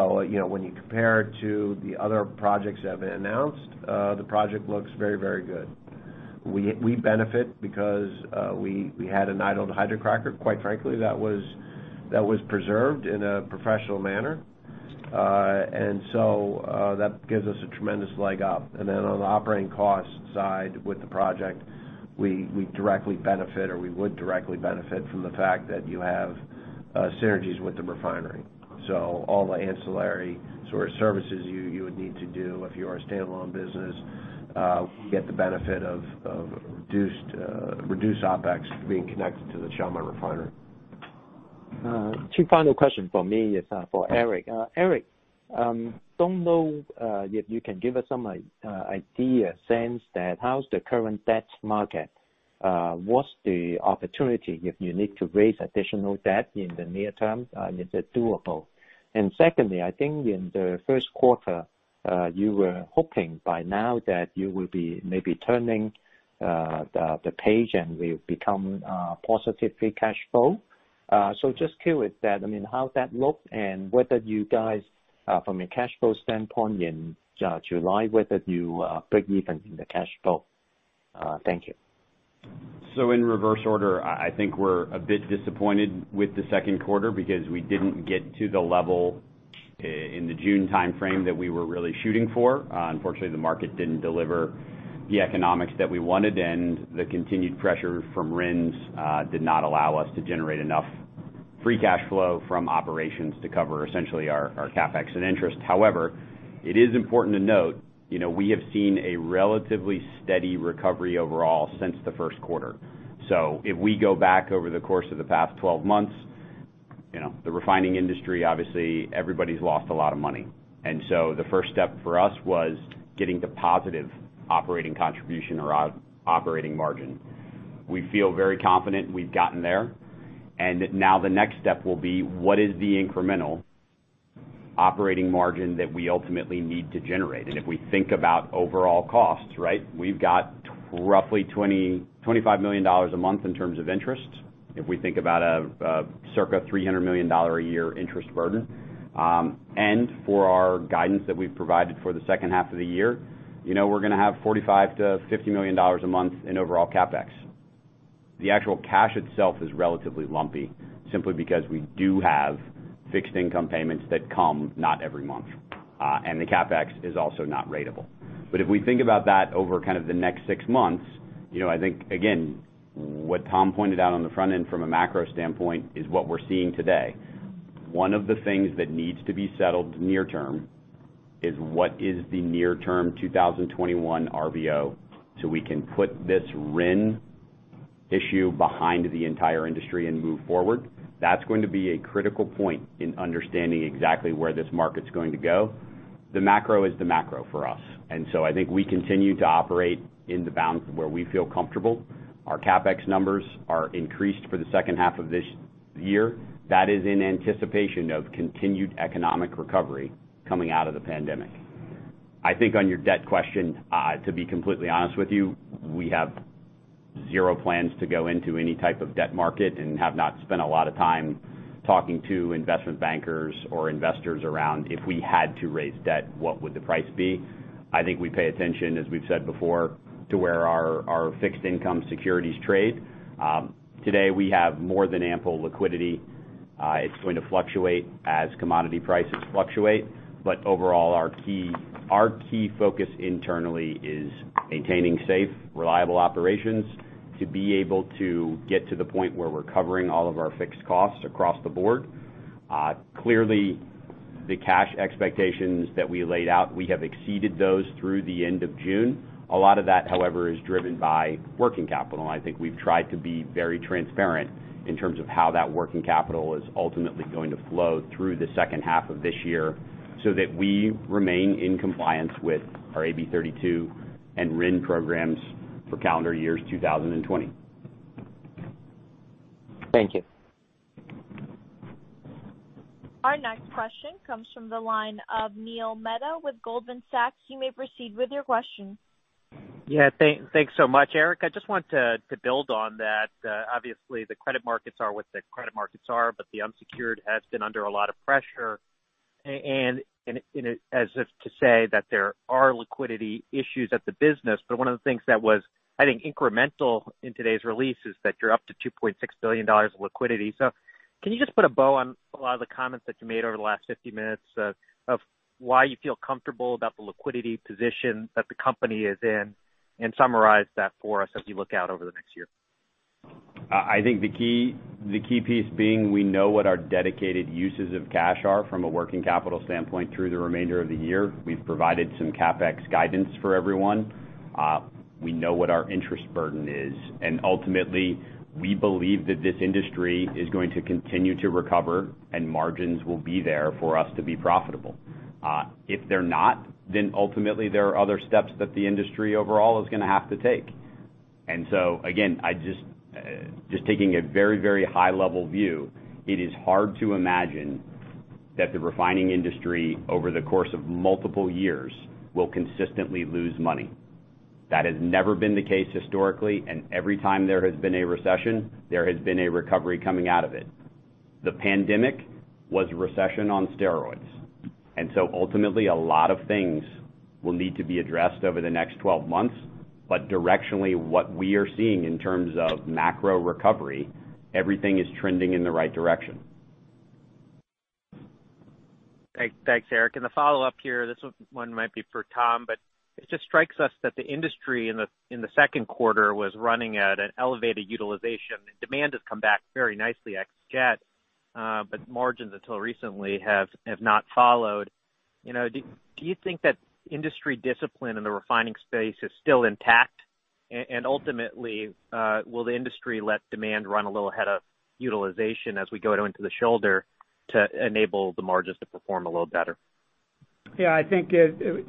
Speaker 4: When you compare it to the other projects that have been announced, the project looks very, very good. We benefit because we had an idled hydrocracker, quite frankly, that was preserved in a professional manner. That gives us a tremendous leg up. Then on the operating cost side with the project, we directly benefit, or we would directly benefit from the fact that you have synergies with the refinery. All the ancillary sort of services you would need to do if you are a standalone business, get the benefit of reduced OpEx being connected to the Chalmette Refinery.
Speaker 10: Two final questions from me for Erik, don't know if you can give us some idea, sense that how's the current debt market? What's the opportunity if you need to raise additional debt in the near term? Is it doable? Secondly, I think in the first quarter, you were hoping by now that you will be maybe turning the page and will become positive free cash flow. Just curious that, how's that look, and whether you guys, from a cash flow standpoint in July, whether you break even in the cash flow. Thank you.
Speaker 5: In reverse order, I think we're a bit disappointed with the second quarter because we didn't get to the level in the June timeframe that we were really shooting for. Unfortunately, the market didn't deliver the economics that we wanted, and the continued pressure from RINs did not allow us to generate enough free cash flow from operations to cover essentially our CapEx and interest. However, it is important to note, we have seen a relatively steady recovery overall since the first quarter. If we go back over the course of the past 12 months, the refining industry, obviously, everybody's lost a lot of money. The first step for us was getting to positive operating contribution or operating margin. We feel very confident we've gotten there, and that now the next step will be what is the incremental operating margin that we ultimately need to generate. If we think about overall costs, we've got roughly $25 million a month in terms of interest. If we think about a circa $300 million a year interest burden. For our guidance that we've provided for the second half of the year, we're going to have $45 million-$50 million a month in overall CapEx. The actual cash itself is relatively lumpy simply because we do have fixed income payments that come not every month. The CapEx is also not ratable. If we think about that over kind of the next six months, I think, again, what Tom pointed out on the front end from a macro standpoint is what we're seeing today. One of the things that needs to be settled near term is what is the near-term 2021 RVO so we can put this RIN issue behind the entire industry and move forward. That's going to be a critical point in understanding exactly where this market's going to go. The macro is the macro for us. I think we continue to operate in the bounds of where we feel comfortable. Our CapEx numbers are increased for the second half of this year. That is in anticipation of continued economic recovery coming out of the pandemic. I think on your debt question, to be completely honest with you, we have zero plans to go into any type of debt market and have not spent a lot of time talking to investment bankers or investors around, if we had to raise debt, what would the price be? I think we pay attention, as we've said before, to where our fixed income securities trade. Today, we have more than ample liquidity. It's going to fluctuate as commodity prices fluctuate. Overall, our key focus internally is maintaining safe, reliable operations to be able to get to the point where we're covering all of our fixed costs across the board. Clearly, the cash expectations that we laid out, we have exceeded those through the end of June. A lot of that, however, is driven by working capital, and I think we've tried to be very transparent in terms of how that working capital is ultimately going to flow through the second half of this year, so that we remain in compliance with our AB 32 and RIN programs for calendar years 2020.
Speaker 10: Thank you.
Speaker 1: Our next question comes from the line of Neil Mehta with Goldman Sachs. You may proceed with your question.
Speaker 12: Yeah. Thanks so much, Erik. I just want to build on that. Obviously, the credit markets are what the credit markets are, but the unsecured has been under a lot of pressure, and as if to say that there are liquidity issues at the business. One of the things that was, I think, incremental in today's release is that you're up to $2.6 billion of liquidity. Can you just put a bow on a lot of the comments that you made over the last 50 minutes of why you feel comfortable about the liquidity position that the company is in and summarize that for us as we look out over the next year?
Speaker 5: I think the key piece being we know what our dedicated uses of cash are from a working capital standpoint through the remainder of the year. We've provided some CapEx guidance for everyone. We know what our interest burden is. Ultimately, we believe that this industry is going to continue to recover and margins will be there for us to be profitable. If they're not, then ultimately there are other steps that the industry overall is going to have to take. Again, just taking a very high-level view, it is hard to imagine that the refining industry over the course of multiple years will consistently lose money. That has never been the case historically, and every time there has been a recession, there has been a recovery coming out of it. The pandemic was a recession on steroids, and so ultimately, a lot of things will need to be addressed over the next 12 months. Directionally, what we are seeing in terms of macro recovery, everything is trending in the right direction.
Speaker 12: Thanks, Erik. The follow-up here, this one might be for Tom, but it just strikes us that the industry in the second quarter was running at an elevated utilization, and demand has come back very nicely ex jet, but margins until recently have not followed. Do you think that industry discipline in the refining space is still intact? Ultimately, will the industry let demand run a little ahead of utilization as we go into the shoulder to enable the margins to perform a little better?
Speaker 3: Yeah, I think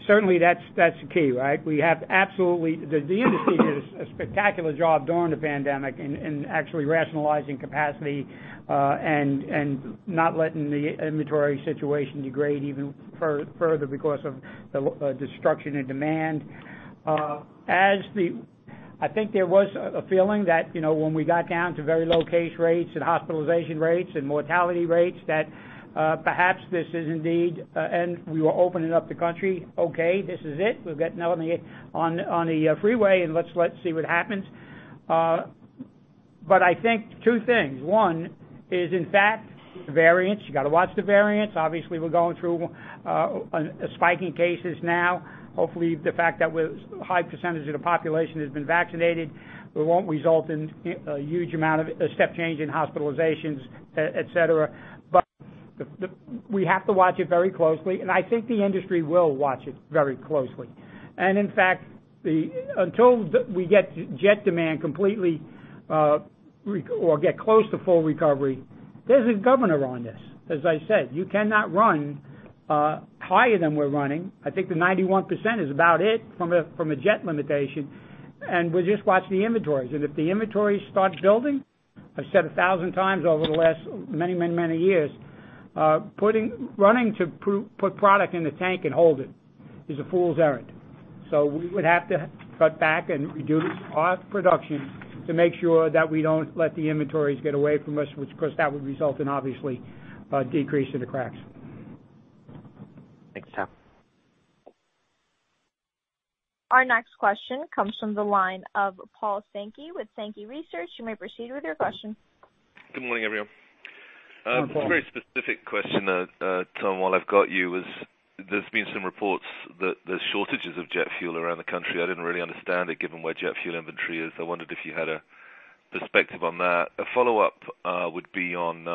Speaker 3: certainly that's the key, right? The industry did a spectacular job during the pandemic in actually rationalizing capacity, and not letting the inventory situation degrade even further because of the destruction in demand. I think there was a feeling that when we got down to very low case rates and hospitalization rates and mortality rates, that perhaps this is indeed an end. We were opening up the country. Okay, this is it. We've got nothing on the freeway, and let's see what happens. I think two things. One is, in fact, variants. You got to watch the variants. Obviously, we're going through a spike in cases now. Hopefully, the fact that a high percentage of the population has been vaccinated won't result in a huge amount of a step change in hospitalizations, et cetera. We have to watch it very closely, and I think the industry will watch it very closely. In fact, until we get jet demand completely or get close to full recovery, there's a governor on this. As I said, you cannot run higher than we're running. I think the 91% is about it from a jet limitation, and we'll just watch the inventories. If the inventories start building, I've said 1,000 times over the last many years, running to put product in the tank and hold it is a fool's errand. We would have to cut back and reduce our production to make sure that we don't let the inventories get away from us, which, of course, that would result in obviously a decrease in the cracks.
Speaker 12: Thanks, Tom.
Speaker 1: Our next question comes from the line of Paul Sankey with Sankey Research. You may proceed with your question.
Speaker 13: Good morning, everyone.
Speaker 3: Hi, Paul.
Speaker 13: A very specific question, Tom, while I've got you, is there's been some reports that there's shortages of jet fuel around the country. I didn't really understand it given where jet fuel inventory is. I wondered if you had a perspective on that. A follow-up would be on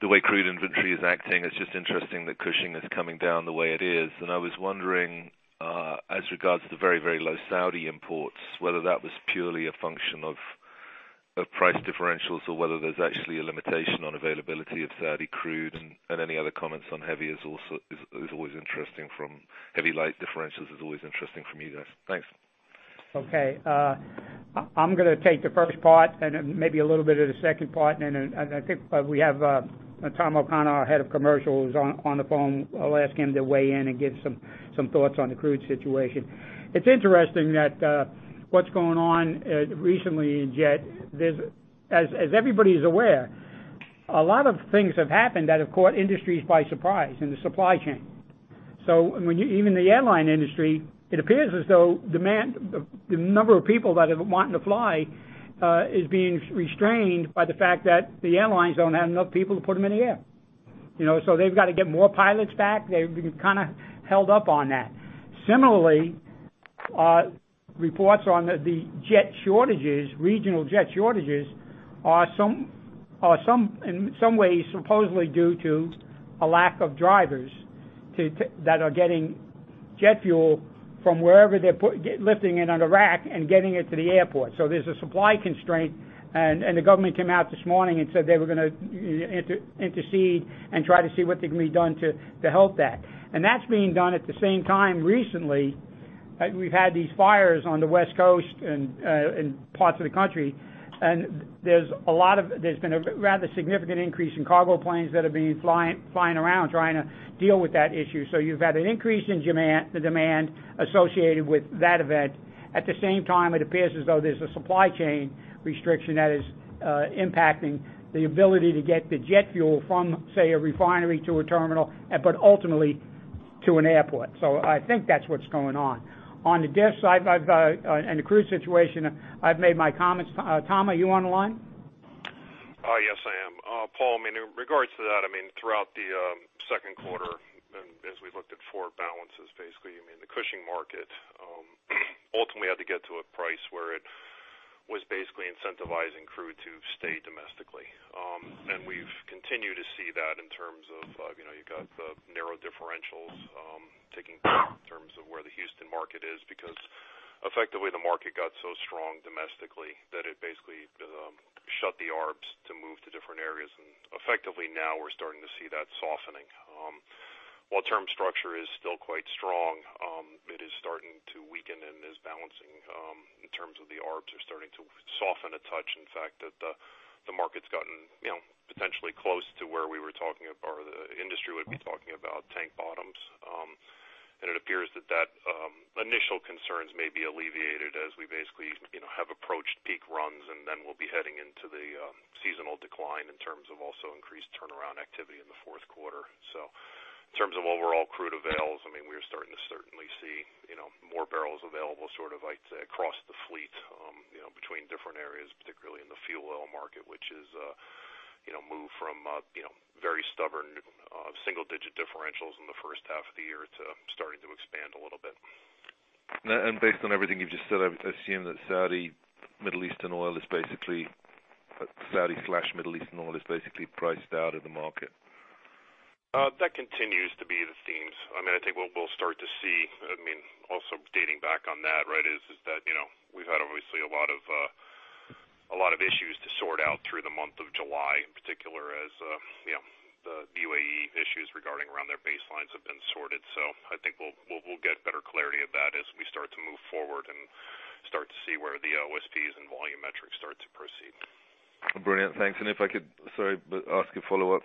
Speaker 13: the way crude inventory is acting. It's just interesting that Cushing is coming down the way it is, and I was wondering, as regards to the very low Saudi imports, whether that was purely a function of price differentials or whether there's actually a limitation on availability of Saudi crude, and any other comments on heavy light differentials is always interesting from you guys. Thanks.
Speaker 3: Okay. I'm going to take the first part and maybe a little bit of the second part. I think we have Tom O'Connor, our head of commercial, who's on the phone. I'll ask him to weigh in and give some thoughts on the crude situation. It's interesting that what's going on recently in jet, as everybody's aware, a lot of things have happened that have caught industries by surprise in the supply chain. Even the airline industry, it appears as though demand, the number of people that are wanting to fly, is being restrained by the fact that the airlines don't have enough people to put them in the air. They've got to get more pilots back. They've been kind of held up on that. Similarly, reports on the jet shortages, regional jet shortages, are in some ways supposedly due to a lack of drivers that are getting jet fuel from wherever they're lifting it on the rack and getting it to the airport. There's a supply constraint, and the government came out this morning and said they were going to intercede and try to see what can be done to help that. That's being done at the same time recently, we've had these fires on the West Coast and parts of the country, and there's been a rather significant increase in cargo planes that have been flying around trying to deal with that issue. You've had an increase in the demand associated with that event. At the same time, it appears as though there's a supply chain restriction that is impacting the ability to get the jet fuel from, say, a refinery to a terminal, but ultimately to an airport. I think that's what's going on. On the diff side and the crude situation, I've made my comments. Tom, are you on the line?
Speaker 14: Yes, I am. Paul, in regards to that, throughout the second quarter, and as we looked at forward balances, basically, the Cushing market ultimately had to get to a price where it was basically incentivizing crude to stay domestically. We've continued to see that in terms of, you've got the narrow differentials ticking down in terms of where the Houston market is, because effectively, the market got so strong domestically that it basically shut the arbs to move to different areas, and effectively now we're starting to see that softening. While term structure is still quite strong, it is starting to weaken and is balancing in terms of the arbs are starting to soften a touch. In fact, the market's gotten potentially close to where we were talking, or the industry would be talking about tank bottoms. It appears that initial concerns may be alleviated as we basically have approached peak runs, we'll be heading into the seasonal decline in terms of also increased turnaround activity in the fourth quarter. In terms of overall crude avails, we are starting to certainly see more barrels available, sort of, I'd say, across the fleet between different areas, particularly in the fuel oil market, which has moved from very stubborn single-digit differentials in the first half of the year to starting to expand a little bit.
Speaker 13: Based on everything you've just said, I assume that Saudi/Middle Eastern oil is basically priced out of the market.
Speaker 14: That continues to be the themes. I think what we'll start to see, also dating back on that, is that we've had, obviously, a lot of issues to sort out through the month of July, in particular as the UAE issues regarding around their baselines have been sorted. I think we'll get better clarity of that as we start to move forward and start to see where the OSPs and volumetrics start to proceed.
Speaker 13: Brilliant. Thanks. If I could, sorry, but ask a follow-up,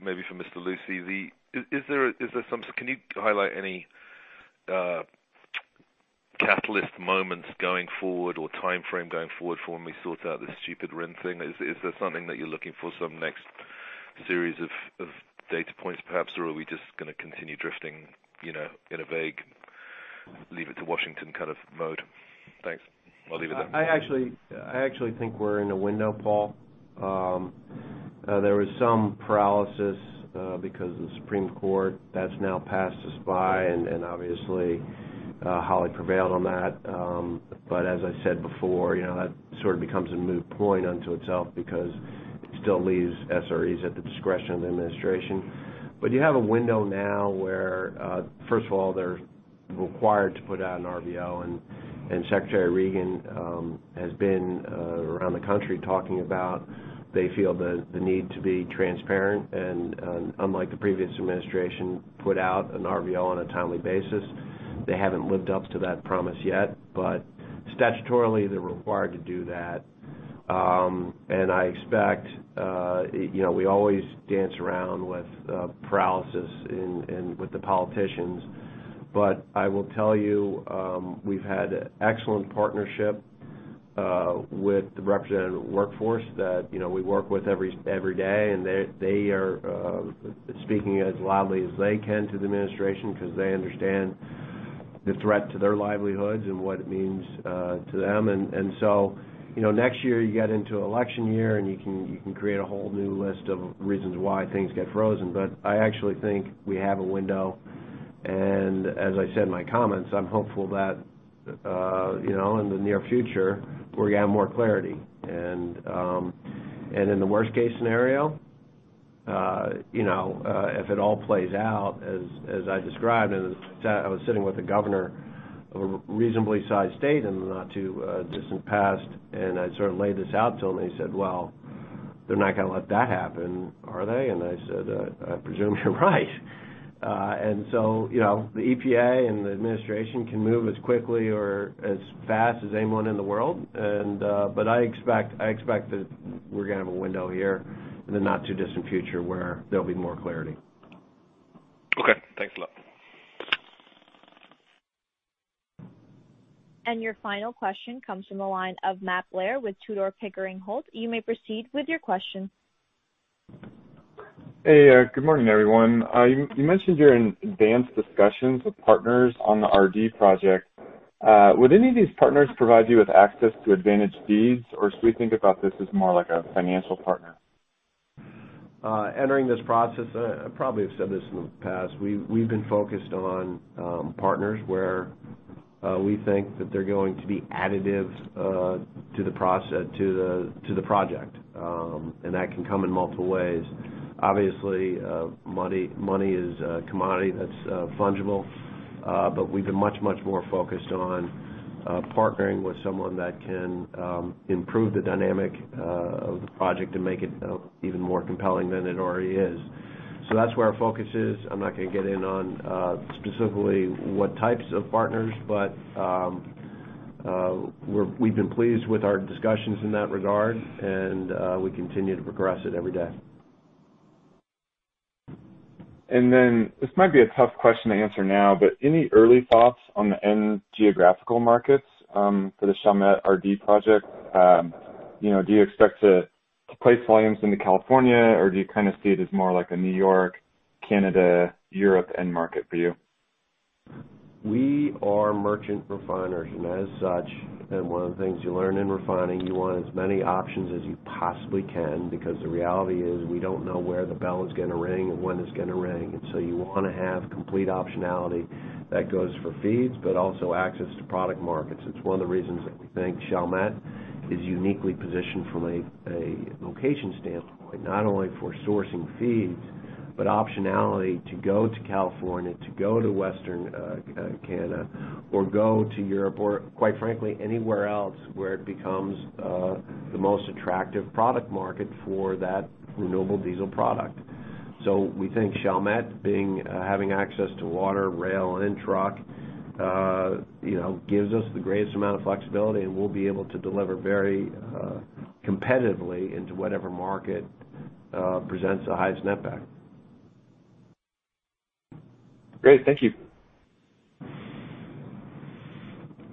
Speaker 13: maybe for Mr. Lucey. Can you highlight any catalyst moments going forward or timeframe going forward for when we sort out this stupid RIN thing? Is there something that you're looking for, some next series of data points, perhaps? Are we just going to continue drifting in a vague, leave it to Washington kind of mode? Thanks. I'll leave it there.
Speaker 4: I actually think we're in a window, Paul. There was some paralysis because of the Supreme Court. That's now passed us by, obviously, Holly prevailed on that. As I said before, that sort of becomes a moot point unto itself because it still leaves SREs at the discretion of the administration. You have a window now where, first of all, they're required to put out an RVO, Secretary Regan has been around the country talking about they feel the need to be transparent and, unlike the previous administration, put out an RVO on a timely basis. They haven't lived up to that promise yet, statutorily, they're required to do that. I expect we always dance around with paralysis with the politicians. I will tell you, we've had excellent partnership with the representative workforce that we work with every day, and they are speaking as loudly as they can to the administration because they understand the threat to their livelihoods and what it means to them. Next year, you get into election year, and you can create a whole new list of reasons why things get frozen. I actually think we have a window, and as I said in my comments, I'm hopeful that in the near future, we're going to have more clarity. In the worst-case scenario, if it all plays out as I described, I was sitting with the governor of a reasonably sized state in the not too distant past. I sort of laid this out to him. He said, "Well, they're not going to let that happen, are they?" I said, "I presume you're right." The EPA and the administration can move as quickly or as fast as anyone in the world. I expect that we're going to have a window here in the not too distant future where there'll be more clarity.
Speaker 13: Okay. Thanks a lot.
Speaker 1: Your final question comes from the line of Matt Blair with Tudor, Pickering, Holt. You may proceed with your question.
Speaker 15: Hey, good morning, everyone. You mentioned you're in advanced discussions with partners on the RD project. Would any of these partners provide you with access to advantage feeds, or should we think about this as more like a financial partner?
Speaker 4: Entering this process, I probably have said this in the past, we've been focused on partners where we think that they're going to be additive to the project. That can come in multiple ways. Obviously, money is a commodity that's fungible. We've been much more focused on partnering with someone that can improve the dynamic of the project and make it even more compelling than it already is. That's where our focus is. I'm not going to get in on specifically what types of partners, but we've been pleased with our discussions in that regard, and we continue to progress it every day.
Speaker 15: This might be a tough question to answer now, but any early thoughts on the end geographical markets for the Chalmette RD project? Do you expect to place volumes into California, or do you see it as more like a New York, Canada, Europe end market for you?
Speaker 4: We are merchant refiners, and as such, one of the things you learn in refining, you want as many options as you possibly can because the reality is we don't know where the bell is going to ring and when it's going to ring. You want to have complete optionality. That goes for feeds, but also access to product markets. It's one of the reasons that we think Chalmette is uniquely positioned from a location standpoint, not only for sourcing feeds, but optionality to go to California, to go to Western Canada, or go to Europe, or quite frankly, anywhere else where it becomes the most attractive product market for that renewable diesel product. We think Chalmette, having access to water, rail, and truck, gives us the greatest amount of flexibility, and we'll be able to deliver very competitively into whatever market presents the highest netback.
Speaker 15: Great. Thank you.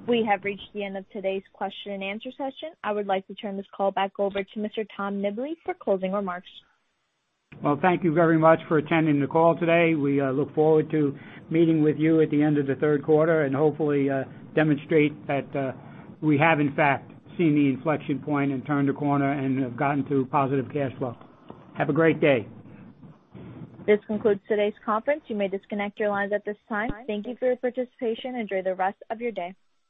Speaker 1: We have reached the end of today's question-and-answer session. I would like to turn this call back over to Mr. Tom Nimbley for closing remarks.
Speaker 3: Well, thank you very much for attending the call today. We look forward to meeting with you at the end of the third quarter and hopefully demonstrate that we have, in fact, seen the inflection point and turned a corner and have gotten to positive cash flow. Have a great day.
Speaker 1: This concludes today's conference. You may disconnect your lines at this time. Thank you for your participation. Enjoy the rest of your day.